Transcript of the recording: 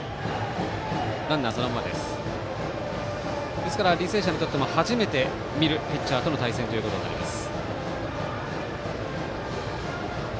ですから履正社にとっても初めて見るピッチャーとの対戦となります。